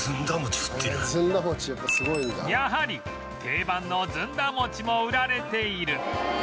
やはり定番のずんだ餅も売られている